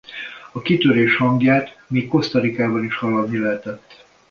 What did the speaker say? A kitörés hangját még Costa Ricában is hallani lehetett.